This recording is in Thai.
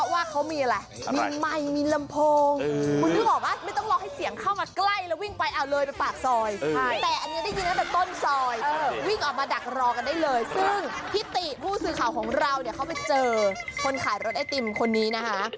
วิ่งออกมาดักรอกันได้เลยซึ่งพี่ติผู้ซื้อข่าวของเราเขาไปเจอคนขายรถไอติมคนนี้นะฮะ